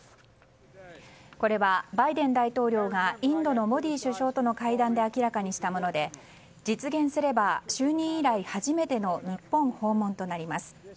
これは、バイデン大統領がインドのモディ首相との会談で明らかにしたもので実現すれば就任以来初めての日本訪問となります。